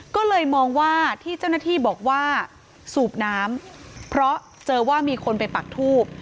ก็เลยมองว่าที่เจ้าหน้าที่บอกว่าสูบน้ำเพราะเจอว่ามีคนไปปักทูบ